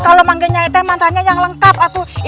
ketuk ketuk pintu helah atu